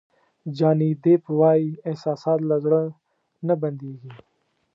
جاني دیپ وایي احساسات له زړه نه بندېږي.